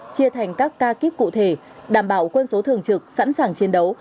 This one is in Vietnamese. chia thành các ca kíp cụ thể đảm bảo quân số thường trực sẵn sàng chiến đấu